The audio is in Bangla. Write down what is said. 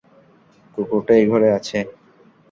কুকুরটা এই ঘরে আছে।